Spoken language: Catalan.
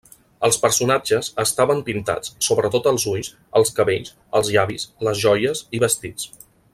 Els personatges estaven pintats, sobretot els ulls, els cabells, els llavis, les joies i vestits.